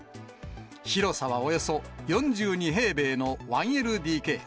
広さはおよそ４２平米の１ＬＤＫ。